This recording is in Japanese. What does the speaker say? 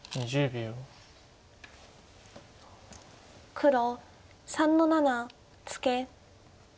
黒３の七ツケ。